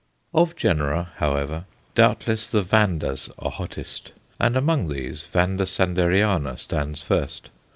Of genera, however, doubtless the Vandas are hottest; and among these, V. Sanderiana stands first.